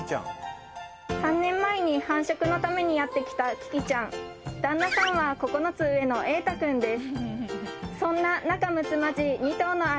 ３年前に繁殖のためにやってきたキキちゃん旦那さんは９つ上のえいたくんです